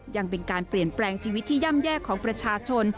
ยังเป็นการเปลี่ยนแปลงชีวิตที่ย่ำแย่ของประชาชน